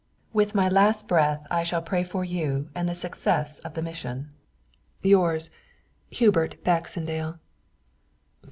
_ "With my last breath I shall pray for you and the success of the mission. "Yours, "_HUBERT BAXENDALE.